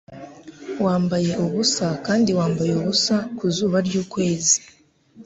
Wambaye ubusa kandi wambaye ubusa ku zuba ry'ukwezi;